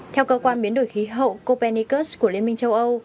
theo cơ quan biến đổi khí hậu copennicus của liên minh châu âu